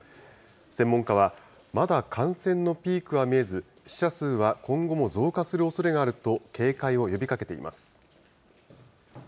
専門家はまだ感染のピークは見えず、死者数は今後も増加するおそれがあると警戒を呼びかけています。